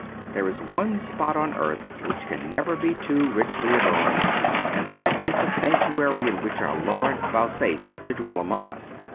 There is one spot on earth which can never be too richly adorned, and that is the sanctuary in which our Lord vouchsafes to dwell among us.